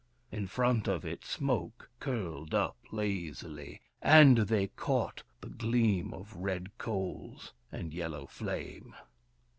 In front of it smoke curled up lazily, and they caught the gleam of red coals, and yellow flame.